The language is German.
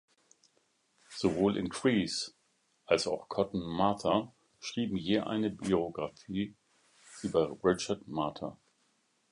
Sowohl Increase als auch Cotton Mather schrieben je eine Biografie über Richard Mather.